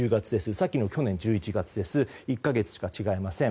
さっきのは去年１１月で１か月しか違いません。